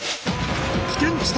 危険地帯